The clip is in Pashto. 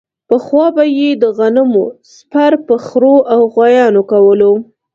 پخوا به یې د غنمو څپر په خرو او غوایانو کولو.